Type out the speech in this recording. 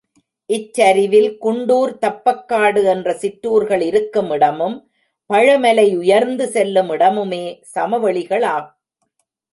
இச்சரிவில் குண்டூர், தப்பக்காடு என்ற சிற்றூர்கள் இருக்கும் இடமும், பழமலை உயர்ந்து செல்லும் இடமுமே சமவெளிகளாம்.